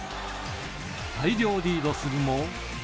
大量リードするも。